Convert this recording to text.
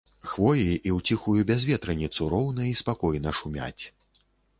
Хвоі і ў ціхую бязветраніцу роўна і спакойна шумяць.